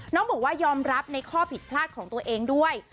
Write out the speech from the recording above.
น้องบอกว่ายอมรับในข้อผิดพลาดของตัวเองด้วย